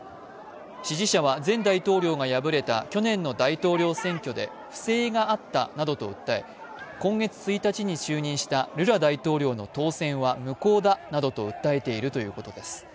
支持者は前大統領が敗れた去年の大統領選挙で不正があったなどと訴え、今月１日に就任したルラ大統領の当選は無効だなどと訴えているということです。